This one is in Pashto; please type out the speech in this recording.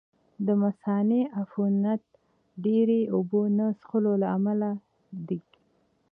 د مثانې عفونت ډېرې اوبه نه څښلو له امله دی.